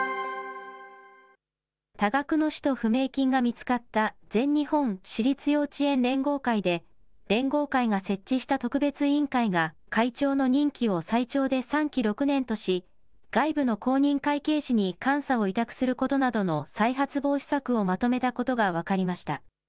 多額の使途不明金が見つかった全日本私立幼稚園連合会で、連合会が設置した特別委員会が、会長の任期を最長で３期６年とし、外部の公認会計士に監査を委託することなどの再発防止策をまとめたことが分かりました。